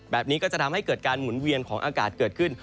แบบนี้ก็จะทำให้เกิดการหมุนเวียนของอากาศเกิดขึ้น